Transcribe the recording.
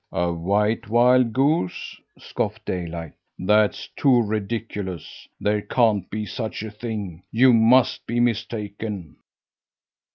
"A white wild goose?" scoffed Daylight. "That's too ridiculous! There can't be such a thing. You must be mistaken."